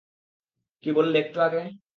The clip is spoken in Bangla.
কী বললে একটু আগে?